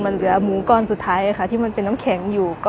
มันเหลือหมูก้อนสุดท้ายค่ะที่มันเป็นน้ำแข็งอยู่